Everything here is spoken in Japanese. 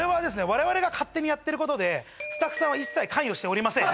我々が勝手にやってることでスタッフさんは一切関与しておりません